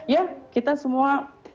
ya kita semua